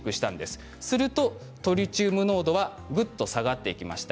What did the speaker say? そうすると、トリチウム濃度は下がっていきました。